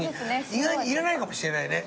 意外にいらないかもしれないね。